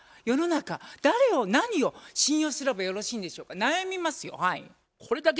世の中誰を何を信用すればよろしいんでしょうか悩みますよはい。